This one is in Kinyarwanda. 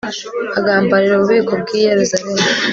agambanira ububiko bw'i yeruzalemu